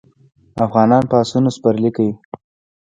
افغانان په اسونو سپرلي کوي.